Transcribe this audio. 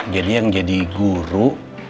jadi yang jadi guru